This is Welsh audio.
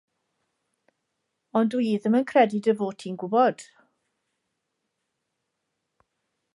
Ond dw i ddim yn credu dy fod ti'n gwybod.